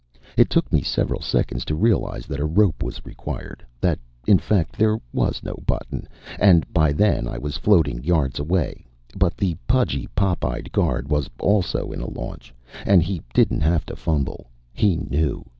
It took me several seconds to realize that a rope was required, that in fact there was no button; and by then I was floating yards away, but the pudgy pop eyed guard was also in a launch, and he didn't have to fumble. He knew.